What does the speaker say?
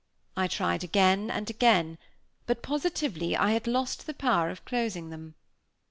I tried again and again; but, positively, I had lost the power of closing them.